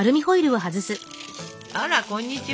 あらこんにちは。